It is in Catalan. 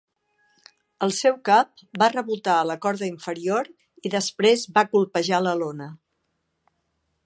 El seu cap va rebotar a la corda inferior i després va colpejar la lona.